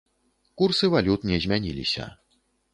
Курсы валют не змяніліся.